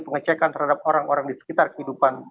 pengecekan terhadap orang orang di sekitar kehidupan